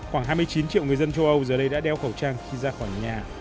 khoảng hai mươi chín triệu người dân châu âu giờ đây đã đeo khẩu trang khi ra khỏi nhà